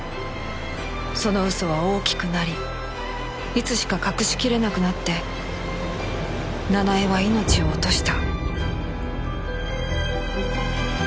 その嘘は大きくなりいつしか隠しきれなくなって奈々江は命を落とした